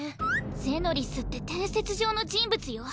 ゼノリスって伝説上の人物よ？